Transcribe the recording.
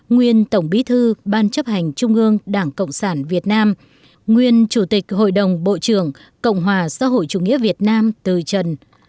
nguyên tổng bí thư ban chấp hành trung ương đảng cộng sản việt nam nguyên chủ tịch hội đồng bộ trưởng cộng hòa xã hội chủ nghĩa việt nam từ trần